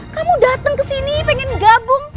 kamu dateng kesini pengen gabung